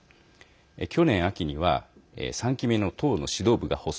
去年秋には３期目の党の指導部が発足。